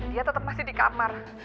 dia tetap masih di kamar